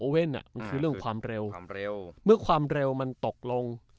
มันคือเรื่องความเร็วความเร็วเมื่อความเร็วมันตกลง